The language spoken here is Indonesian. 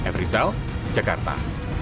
f rizal jakarta